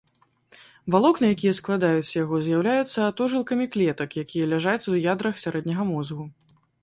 Валокны, якія складаюць яго, з'яўляюцца атожылкамі клетак, якія ляжаць у ядрах сярэдняга мозгу.